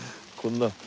こんな。